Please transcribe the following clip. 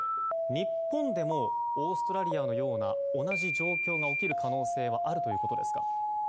日本でもオーストラリアのような同じ状況が起きる可能性はあるということですか。